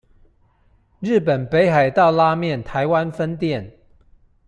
日本北海道拉麵台灣分店